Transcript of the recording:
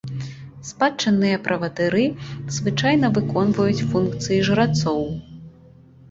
Спадчынныя правадыры звычайна выконваюць функцыі жрацоў.